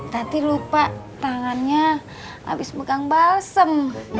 tati lupa tangannya abis pegang balsem